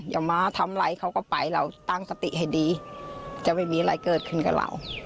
อย่ามาทำอะไรเขาก็ไปเราตั้งสติให้ดีจะไม่มีอะไรเกิดขึ้นกับเรา